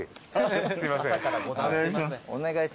すいません。